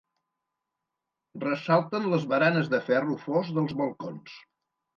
Ressalten les baranes de ferro fos dels balcons.